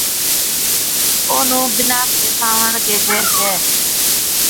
اونھُون بِناڪ ٻِساوڻ ڪيهجَي ڇَي